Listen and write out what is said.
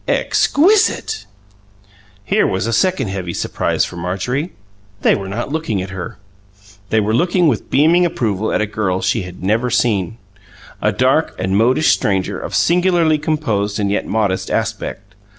"Exquisite!" Here was a second heavy surprise for Marjorie: they were not looking at her. They were looking with beaming approval at a girl she had never seen; a dark and modish stranger of singularly composed and yet modest aspect.